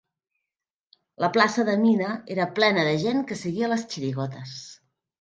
La plaça de Mina era plena de gent que seguia les chirigotas.